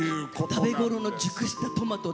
食べ頃の熟したトマト。